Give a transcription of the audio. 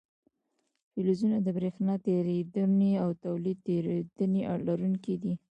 فلزونه د برېښنا تیریدنې او تودوخې تیریدنې لرونکي دي.